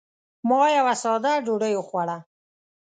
ما یوه ساده ډوډۍ وخوړه.